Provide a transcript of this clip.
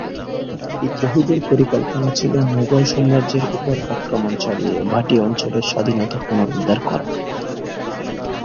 বিদ্রোহীদের পরিকল্পনা ছিল মুঘল সাম্রাজ্যের উপর আক্রমণ চালিয়ে ভাটি অঞ্চলের স্বাধীনতা পুনরুদ্ধার করা।